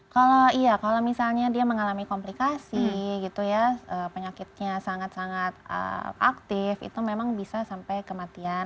kalau iya kalau misalnya dia mengalami komplikasi gitu ya penyakitnya sangat sangat aktif itu memang bisa sampai kematian